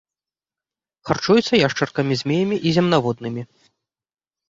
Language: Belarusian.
Харчуецца яшчаркамі, змеямі і земнаводнымі.